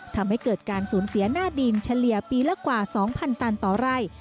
ทำให้เกิดการสูญเสียหน้าดินเฉลี่ยปีละกว่า๒๐๐ตันต่อไร่